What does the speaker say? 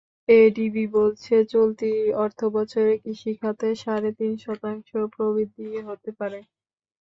ADB বলছে, চলতি অর্থবছরে কৃষি খাতে সাড়ে তিন শতাংশ প্রবৃদ্ধি হতে পারে।